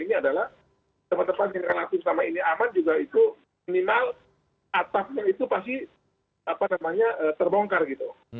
ini adalah teman teman yang relatif selama ini aman juga itu minimal atapnya itu pasti terbongkar gitu